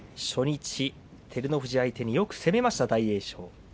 初日、照ノ富士相手によく攻めました大栄翔。